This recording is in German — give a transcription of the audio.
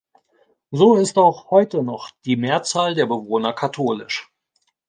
So ist auch heute noch die Mehrzahl der Bewohner katholisch.